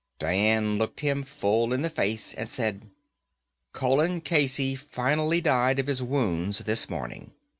Dian looked him full in the face and said, "Colin Casey finally died of his wounds this morning.